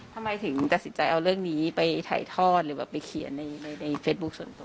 ทำไมถึงตัดสินใจเอาเรื่องนี้ไปถ่ายทอดหรือแบบไปเขียนในเฟซบุ๊คส่วนตัว